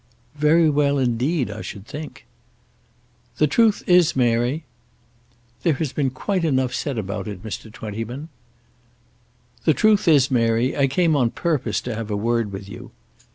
"Very well indeed, I should think." "The truth is, Mary " "There has been quite enough said about it, Mr. Twentyman." "The truth is, Mary, I came on purpose to have a word with you."